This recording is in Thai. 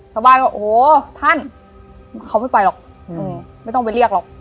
ชาวบ้านก็โอ้โหท่านเขาไม่ไปหรอกไม่ต้องไปเรียกหรอก